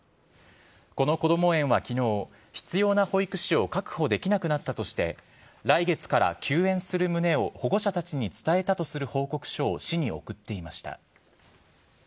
このこども園はきのう、必要な保育士を確保できなくなったとして、来月から休園する旨を保護者たちに伝えたとする報告書を市に送っていました。